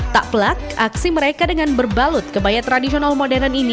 tak pelak aksi mereka dengan berbalut kebaya tradisional modern ini